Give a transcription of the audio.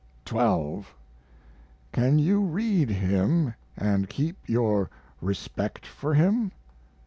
12. Can you read him and keep your respect for him?